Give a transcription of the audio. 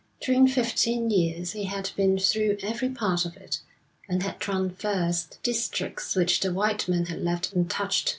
During fifteen years he had been through every part of it, and had traversed districts which the white man had left untouched.